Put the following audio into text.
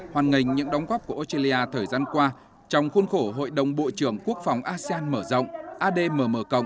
hoàn ngành những đóng góp của australia thời gian qua trong khuôn khổ hội đồng bộ trưởng quốc phòng asean mở rộng admm